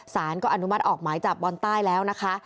สารก็อนุมัติออกหมายจับบอลใต้แล้วนะคะ